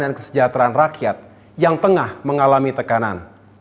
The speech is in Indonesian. dan kesejahteraan rakyat yang tengah mengalami tekanan